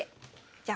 じゃあ